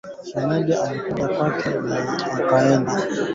kilimo cha viazi lishe kinafanyika kwa matumizi ya nyumbani